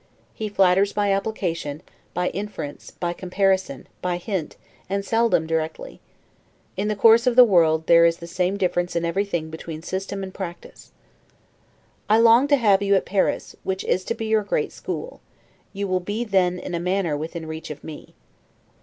He flatters by application, by inference, by comparison, by hint, and seldom directly. In the course of the world, there is the same difference in everything between system and practice. I long to have you at Paris, which is to be your great school; you will be then in a manner within reach of me.